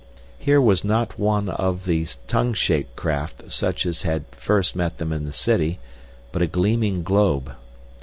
Here was not one of the tongue shaped craft such as had first met them in the city, but a gleaming globe.